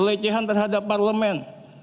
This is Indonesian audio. lecehan terhadap parlemen